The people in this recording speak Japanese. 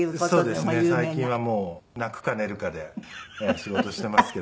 最近はもう泣くか寝るかで仕事していますけども。